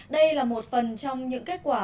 đây là một phần trong những kết quả